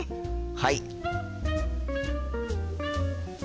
はい！